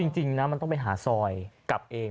จริงนะมันต้องไปหาซอยกลับเอง